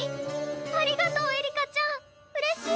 ありがとうえりかちゃんうれしい。